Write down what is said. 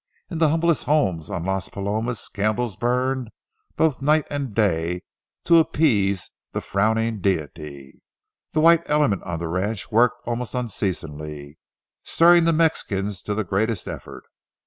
In the humblest homes on Las Palomas, candles burned both night and day to appease the frowning Deity. The white element on the ranch worked almost unceasingly, stirring the Mexicans to the greatest effort.